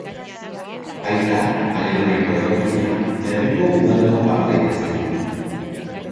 Aita, Alemaniako etorkina, herriko udaleko partaide zen.